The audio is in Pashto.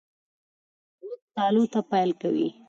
غوږ تالو ته پایل کوي.